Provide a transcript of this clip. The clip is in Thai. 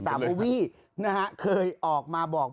สาวโบวี่เคยออกมาบอก